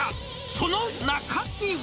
その中身は。